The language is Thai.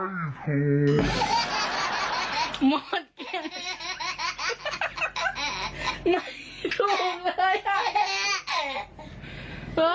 ไม่ถูกเลย